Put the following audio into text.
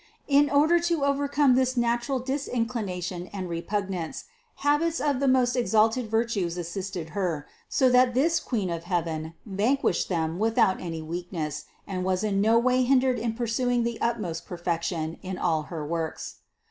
In order to overcome this natural disinclination and repugnance habits of the most exalted virtues assisted Her, so that this Queen of heaven vanquished them without any weakness and was in no way hindered in pursuing the utmost per fection in all her works.